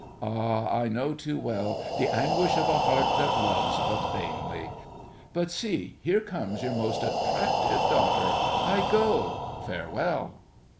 Ah, I know too well The anguish of a heart that loves but vainly! But see, here comes your most attractive daughter. I go—Farewell!